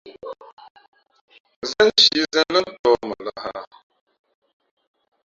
Zénshǐ Zén lά ntōh mα lahā ?